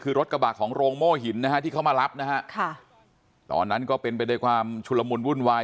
คือรถกระบะของโรงโม่หินนะฮะที่เขามารับนะฮะค่ะตอนนั้นก็เป็นไปด้วยความชุลมุนวุ่นวาย